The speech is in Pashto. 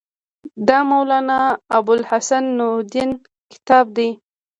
دا مولانا ابوالحسن ندوي کتاب دی.